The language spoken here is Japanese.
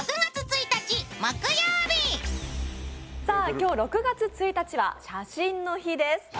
今日６月１日は写真の日です。